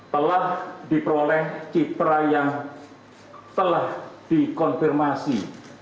telah diperoleh citra yang telah dikonfirmasi